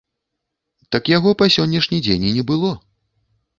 Так яго па сённяшні дзень і не было.